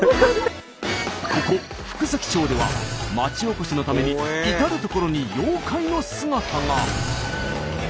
ここ福崎町では町おこしのために至る所に妖怪の姿が。